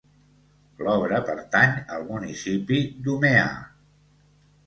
L'obra pertany al municipi d'Umeå.